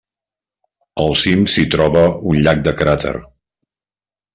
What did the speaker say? Al cim s'hi troba un llac de cràter.